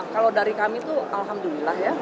kalau dari kami tuh alhamdulillah ya